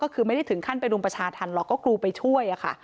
ก็คือไม่ได้ถึงขั้นไปรุมประชาธรรมหรอกก็กรูไปช่วยค่ะ